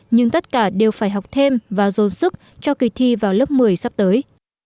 nhưng tất cả đều phải học thêm và dồn sức cho kỳ thi vào lớp một mươi sắp tới